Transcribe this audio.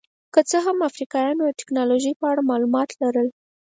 که څه هم افریقایانو د ټکنالوژۍ په اړه معلومات لرل.